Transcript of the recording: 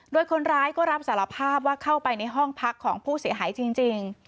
โดยคนร้ายก็รับสารภาพว่าเข้าไปในห้องพักของผู้เสียหายจริง